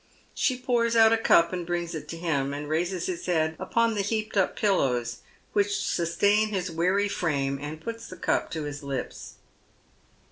She pours out a cup and brings it to him, and raises his head upon the heaped up pillows which sustain his weary frame, and puts the cup to his lips.